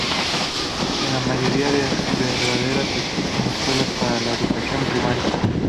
En la mayoría de veredas existen escuelas para la educación primaria.